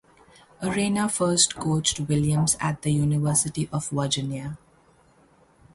Arena first coached Williams at the University of Virginia.